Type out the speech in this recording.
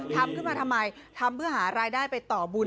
ทำขึ้นมาทำไมทำเพื่อหารายได้ไปต่อบุญ